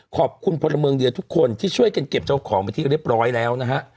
ขอบคุณพลเมืองเดียวทุกคนที่ช่วยกันเก็บเจ้าของไปที่เรียบร้อยแล้วนะฮะ